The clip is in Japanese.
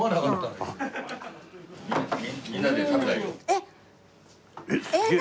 えっ！